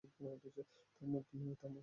থামো, মেই-মেই।